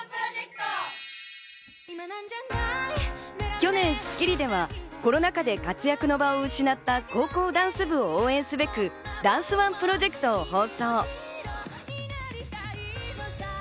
去年『スッキリ』ではコロナ禍で活躍の場を失った高校ダンス部を応援すべくダンスＯＮＥプロジェクトを放送。